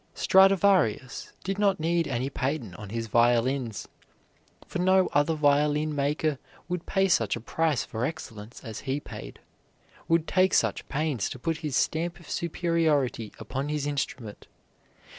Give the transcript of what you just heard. Stradivarius did not need any patent on his violins, for no other violin maker would pay such a price for excellence as he paid; would take such pains to put his stamp of superiority upon his instrument.